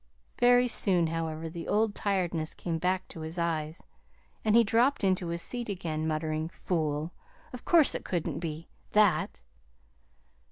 Very soon, however, the old tiredness came back to his eyes, and he dropped into his seat again, muttering "Fool! of course it couldn't be that!"